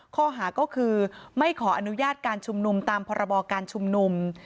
ข้อหาก็คือไม่ขออนุญาตการชุมนุมตามพรบการชุมนุม